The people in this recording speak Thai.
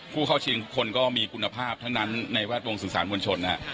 ผู้เข้าชิงทุกคนก็มีคุณภาพทั้งนั้นในแวดวงสื่อสารมวลชนนะฮะ